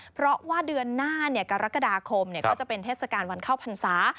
เพราะว่าเดือนหน้ากรกฎาคมก็จะเป็นเทศกาลวันเข้าพรรษา